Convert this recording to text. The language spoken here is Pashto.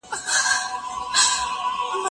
هغه وویل چي ښه خلک هېڅکله نه مري.